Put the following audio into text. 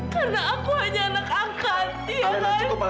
karena aku hanya anak angkat